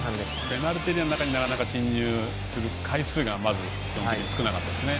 ペナルティーエリアの中になかなか進入する回数がまず少なかったですね。